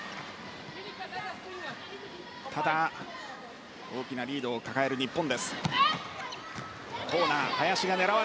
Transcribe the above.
ただ、大きなリードを抱える日本。